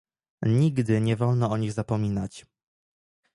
Nigdy nie wolno o nich zapominać